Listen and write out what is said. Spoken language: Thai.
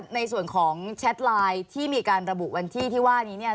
ในส่วนของแชทไลน์ที่มีการระบุวันที่ที่ว่านี้เนี่ย